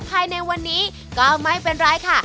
ภายในวันนี้ก็ไม่เป็นไรค่ะ